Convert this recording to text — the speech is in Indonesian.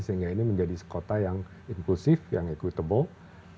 sehingga ini menjadi kota yang inklusif yang equitable